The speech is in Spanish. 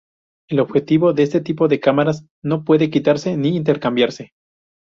El objetivo de este tipo de cámaras no puede quitarse ni intercambiarse.